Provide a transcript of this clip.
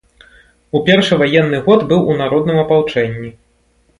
У першы ваенны год быў у народным апалчэнні.